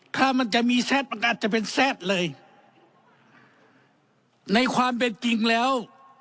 ถ้ามันจะมีแทรดประกันจะเป็นแซ่ดเลยในความเป็นจริงแล้ว